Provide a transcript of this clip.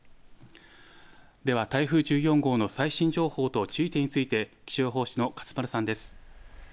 では台風１４号の最新情報と注意点について気象予報士の勝丸さんです。